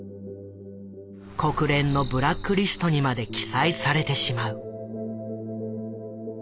国連のブラックリストにまで記載されてしまう。